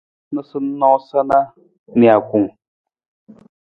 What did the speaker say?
Hin noosanoosa na nijakung.